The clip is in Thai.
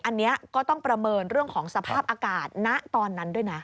อันนี้ก็ต้องประเมินเรื่องของสภาพอากาศณตอนนั้นด้วยนะ